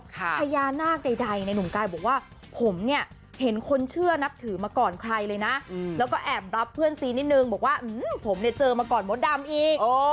พญานาคใดในหนุ่มกายบอกว่าผมเนี่ยเห็นคนเชื่อนับถือมาก่อนใครเลยนะแล้วก็แอบรับเพื่อนซีนิดนึงบอกว่าผมเนี่ยเจอมาก่อนมดดำอีก